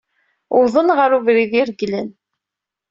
Wwḍen ɣer ubrid ireglen.